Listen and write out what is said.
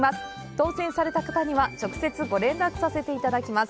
当せんされた方には直接ご連絡させていただきます。